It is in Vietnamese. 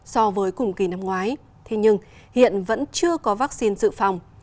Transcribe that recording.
so với cùng kỳ năm ngoái thế nhưng hiện vẫn chưa có vắc xin dự phòng